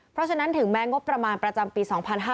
เพราะฉะนั้นถึงแม้งบประมาณประจำปี๒๕๕๙